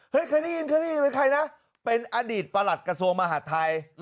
เคยได้ยินเคยได้ยินเป็นใครนะเป็นอดีตประหลัดกระทรวงมหาดไทย